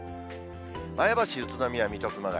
前橋、宇都宮、水戸、熊谷。